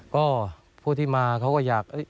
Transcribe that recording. ก็ผู้ที่มาเขาก็อยาก